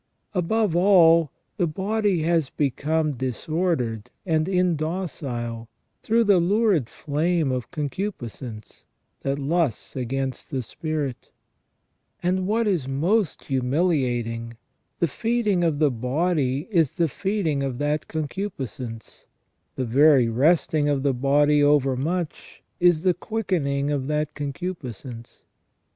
Above all, the body has become dis ordered and indocile through the lurid flame of concupiscence, that lusts against the spirit : and what is most humiliating, the feeding of the body is the feeding of that concupiscence; the very resting of the body overmuch is the quickening of that con cupiscence.